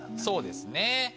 そうですね。